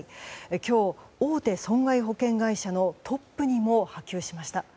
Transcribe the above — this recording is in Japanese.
今日、大手損害保険会社のトップにも波及しました。